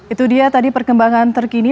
itu dia tadi perkembangan terkini